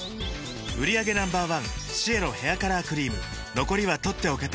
売上№１シエロヘアカラークリーム残りは取っておけて